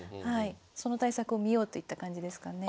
その対策を見ようといった感じですかね。